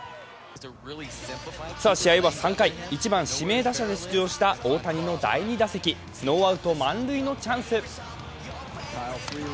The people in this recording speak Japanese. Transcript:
試合は３回、１番・指名打者で出場した大谷の第２打席、ノーアウト満塁のチャンス。